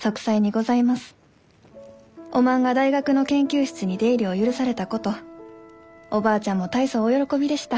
おまんが大学の研究室に出入りを許されたことおばあちゃんも大層お喜びでした」。